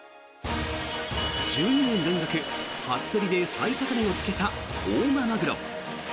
１２年連続初競りで最高値をつけた大間まぐろ。